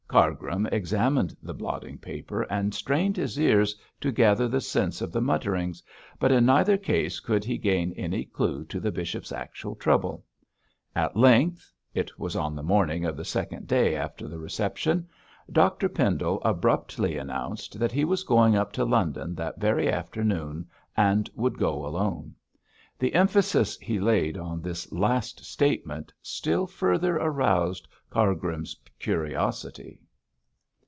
Cargrim examined the blotting paper, and strained his ears to gather the sense of the mutterings, but in neither case could he gain any clue to the bishop's actual trouble. At length it was on the morning of the second day after the reception Dr Pendle abruptly announced that he was going up to London that very afternoon, and would go alone. The emphasis he laid on this last statement still further roused Cargrim's curiosity.